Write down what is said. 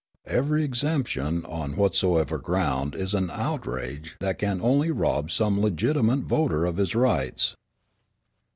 Every exemption, on whatsoever ground, is an outrage that can only rob some legitimate voter of his rights."